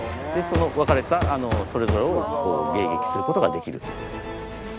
分かれたそれぞれを迎撃することができると。